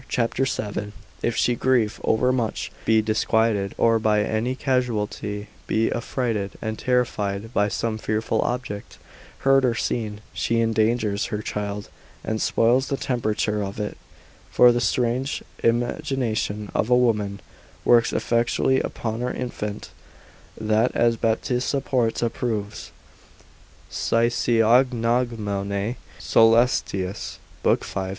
c. 7, if she grieve overmuch, be disquieted, or by any casualty be affrighted and terrified by some fearful object, heard or seen, she endangers her child, and spoils the temperature of it; for the strange imagination of a woman works effectually upon her infant, that as Baptista Porta proves, Physiog. caelestis l. 5. c.